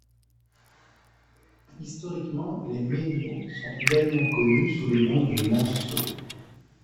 Historiquement, les Mainiots sont également connus sous le nom de Manceaux.